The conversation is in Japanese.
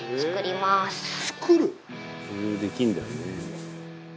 「できるんだよね」